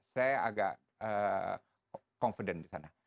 saya agak confident di sana